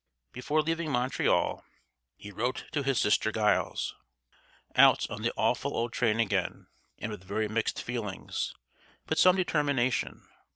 Before leaving Montreal he wrote to his sister Geills: "Out on the awful old trail again! And with very mixed feelings, but some determination.